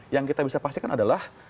yang kita bisa pastikan adalah